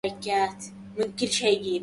سرق فاضل سيارة في القاهرة.